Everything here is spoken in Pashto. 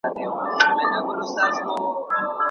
پلار د کورنۍ اړتیاوې پوره کوي ترڅو ماشومانو ته روزي برابر شي.